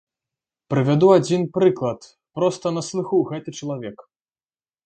Прывяду адзін прыклад, проста на слыху гэты чалавек.